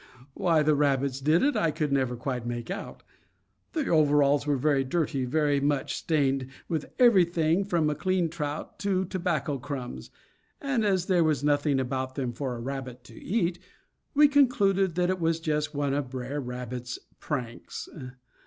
Why the rabbits did it I could never quite make out. The overalls were very dirty, very much stained with everything from a clean trout to tobacco crumbs; and, as there was nothing about them for a rabbit to eat, we concluded that it was just one of Br'er Rabbit's pranks.